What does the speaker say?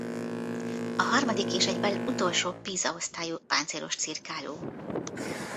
A harmadik és egyben utolsó Pisa-osztályú páncélos cirkáló.